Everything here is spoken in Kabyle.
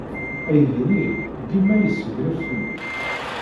Aydi-nni dima yesseglaf fell-i.